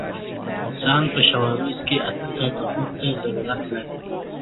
Fanclub singles, promotional singles, and singles released in other countries are not included.